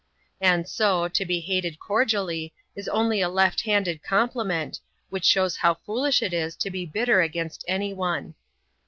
And so, to be hated cordially, is only a left handed compliment, which shows how foolish it is to be bitter against any one.